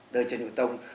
đời trần dũng tông